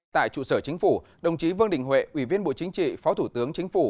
tại trụ sở chính phủ đồng chí vương đình huệ ủy viên bộ chính trị phó thủ tướng chính phủ